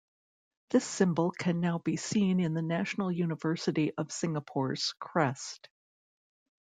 This symbol can now be seen in the National University of Singapore's crest.